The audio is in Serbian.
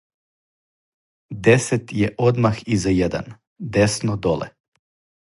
Десет је одмах иза један. Десно доле.